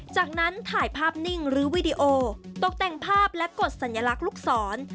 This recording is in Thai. จากนั้นถ่ายภาพนิ่งหรือวีดีโอตกแต่งภาพและกดสัญลักษณ์ลูกศร